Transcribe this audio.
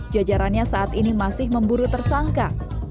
jajarannya saat ini masih memburu tersangka